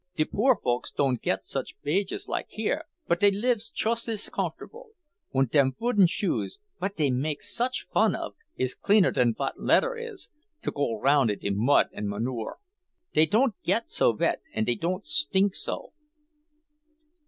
De poor folks don't git such wages like here, but dey lives chust as comfortable. Und dem wooden shoes, what dey makes such fun of, is cleaner dan what leather is, to go round in de mud and manure. Dey don't git so wet and dey don't stink so."